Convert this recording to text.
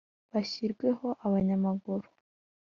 bashyiriweho abanyamaguru